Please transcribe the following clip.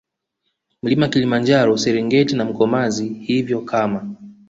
Mlima Kilimanjaro Serengeti na Mkomazi Hivyo kama